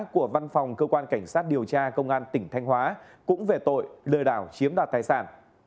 của văn phòng cơ quan cảnh sát điều tra công an tỉnh thanh hóa cũng về tội lừa đảo chiếm đoạt tài sản